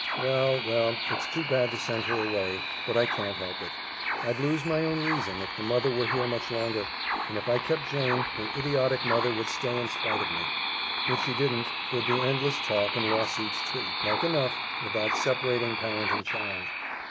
Well, well, it's too bad to send her away, but I can't help it. I'd lose my own reason if the mother were here much longer, and if I kept Jane, her idiotic mother would stay in spite of me. If she didn't, there'd be endless talk and lawsuits, too, like enough, about separating parent and child.